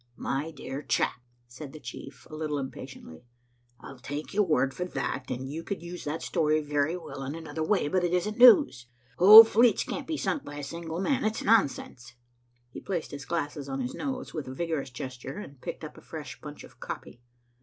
"My dear chap," said the chief, a little impatiently, "I'll take your word for that, and you could use that story very well in another way, but it isn't news. Whole fleets can't be sunk by a single man. It's nonsense." He placed his glasses on his nose with a vigorous gesture, and picked up a fresh bunch of copy.